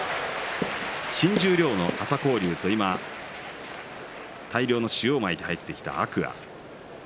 新十両の朝紅龍と今、大量の塩をまいて入ってきた天空海。